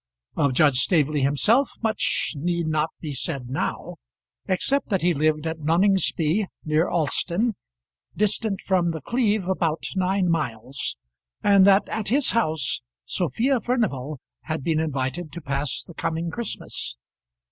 Of Judge Staveley himself much need not be said now, except that he lived at Noningsby near Alston, distant from The Cleeve about nine miles, and that at his house Sophia Furnival had been invited to pass the coming Christmas.